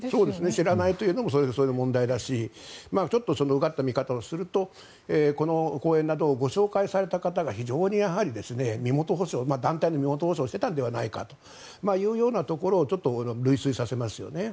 知らないというのもそれはそれで問題だしうがった見方をするとこの講演などをご紹介された方が非常に身元保証団体の身元保証をしていたんじゃないかということをちょっと類推させますよね。